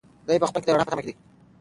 دی په خپل ژوند کې د یوې رڼا په تمه دی.